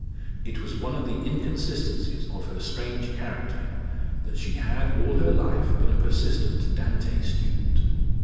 It was one of the inconsistencies of her strange character that she had all her life been a persistent Dante student.